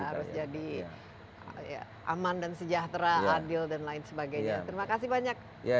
harus jadi aman dan sejahtera adil dan lain sebagainya